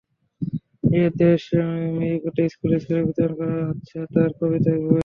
নিজের দেশ মেহিকোতে স্কুলে স্কুলে বিতরণ করা হচ্ছে তাঁর কবিতার বই।